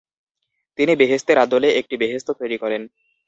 তিনি বেহেস্তের আদলে এক বেহেস্ত তৈরি করেন।